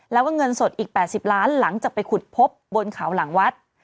แล้วก็เงินสดอีก๘๐ล้านหลังจากไปขุดพบบนเขาหลังวัด